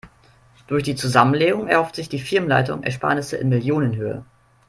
Durch die Zusammenlegung erhofft sich die Firmenleitung Ersparnisse in Millionenhöhe.